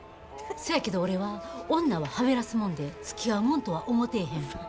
そやけど俺は女ははべらすもんでつきあうもんとは思てへん」。